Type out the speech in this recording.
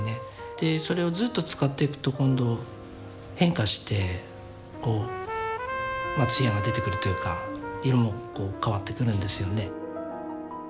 でそれをずっと使っていくと今度変化してこう艶が出てくるというか色もこう変わってくるんですよね。